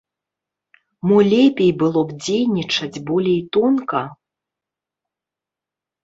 Мо лепей было б дзейнічаць болей тонка?